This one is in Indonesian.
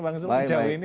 bang zul sejauh ini